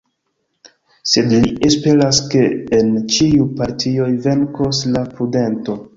Sed li esperas ke en ĉiuj partioj venkos la prudento.